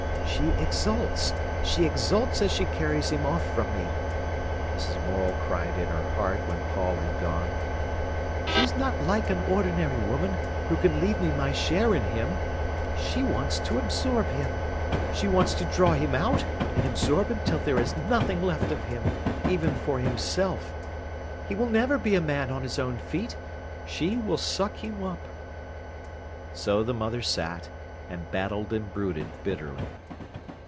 "She exults—she exults as she carries him off from me," Mrs. Morel cried in her heart when Paul had gone. "She's not like an ordinary woman, who can leave me my share in him. She wants to absorb him. She wants to draw him out and absorb him till there is nothing left of him, even for himself. He will never be a man on his own feet—she will suck him up." So the mother sat, and battled and brooded bitterly.